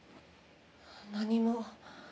何も。